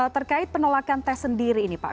terkait penolakan tes sendiri ini pak